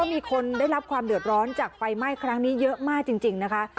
มีคนได้รับความเดือดร้อนจากไฟไหม้ครั้งนี้เยอะมากจริงนะคะ